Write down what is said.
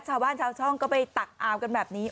ชาวบ้านชาวช่องก็ไปตักอาวกันแบบนี้